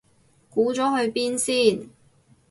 估咗去邊先